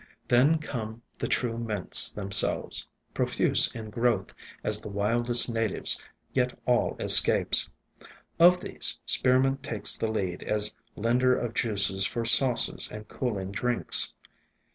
Then come the true Mints themselves, profuse in growth as the wildest natives, yet all escapes. Of these Spearmint takes the lead as lender of juices for sauces and cooling drinks.